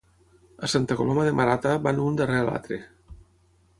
A Santa Coloma de Marata van un darrera l'altre